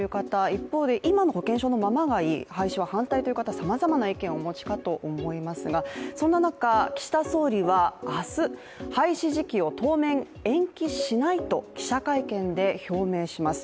一方で、今の保険証のままがいい廃止は反対という方、さまざまな意見をお持ちかと思いますがそんな中、岸田総理は明日、廃止時期を当面延期しないと記者会見で表明します。